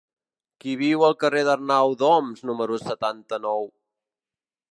Qui viu al carrer d'Arnau d'Oms número setanta-nou?